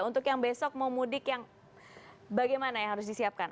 untuk yang besok mau mudik yang bagaimana yang harus disiapkan